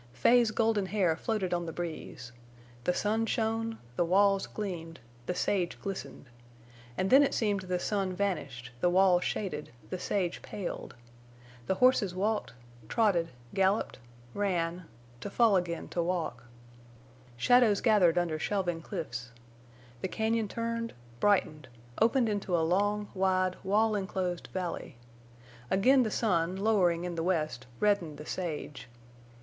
Fay's golden hair floated on the breeze. The sun shone; the walls gleamed; the sage glistened. And then it seemed the sun vanished, the walls shaded, the sage paled. The horses walked—trotted—galloped—ran—to fall again to walk. Shadows gathered under shelving cliffs. The cañon turned, brightened, opened into a long, wide, wall enclosed valley. Again the sun, lowering in the west, reddened the sage.